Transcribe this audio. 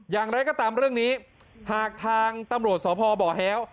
อย่างไรก็ตามเรื่องนี้หากทางตำรวจสพบแฮ้ว